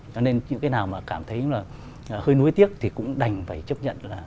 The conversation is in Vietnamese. cho nên những cái nào mà cảm thấy hơi nuối tiếc thì cũng đành phải chấp nhận